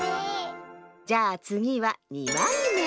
じゃあつぎは２まいめ。